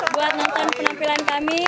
buat nonton penampilan kami